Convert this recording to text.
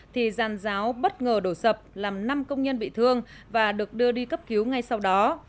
thì giàn giáo bất ngờ đổ sập làm năm công nhân bị thương và được đưa đi cấp cứu ngay sau đó